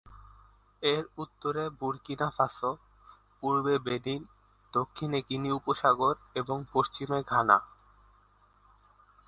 এর উত্তরে Burkina Faso, পূর্বে বেনিন, দক্ষিণে গিনি উপসাগর, এবং পশ্চিমে ঘানা।